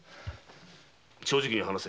正直に話せ。